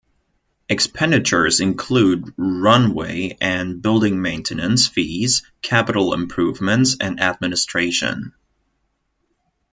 Expenditures include runway and building maintenance fees, capital improvements and administration.